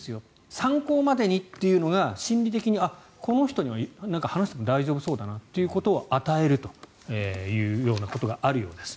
参考までにっていうのが心理的にこの人には話しても大丈夫そうだなということを与えるというようなことがあるようです。